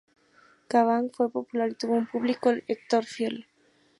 Kavanagh fue popular y tuvo un público lector fiel.